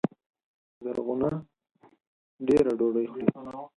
زرغونه دېره ډوډۍ خوري